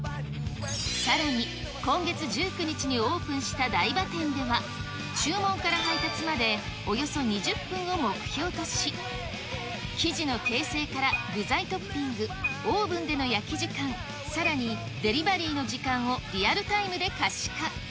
さらに、今月１９日にオープンした台場店では、注文から配達までおよそ２０分を目標とし、生地の形成から具材トッピング、オーブンでの焼き時間、さらにデリバリーの時間をリアルタイムで可視化。